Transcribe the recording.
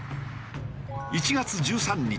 １月１３日